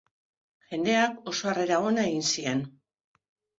Jendeak oso harrera ona egin zien.